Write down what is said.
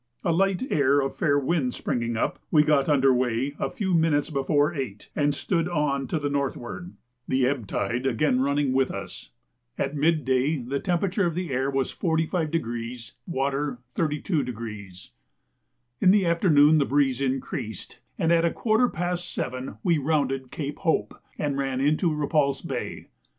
A light air of fair wind springing up, we got under weigh at a few minutes before 8, and stood on to the northward, the ebb tide again running with us. At mid day the temperature of the air was 45°, water 32°. In the afternoon the breeze increased, and at a quarter past seven we rounded Cape Hope, and ran into Repulse Bay.